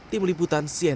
tim liputan siarang